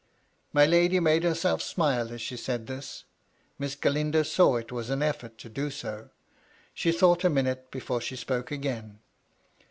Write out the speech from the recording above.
My lady made herself smile as she said this. Miss Galindo saw it was an effort to do so. She thought a minute before she spoke again.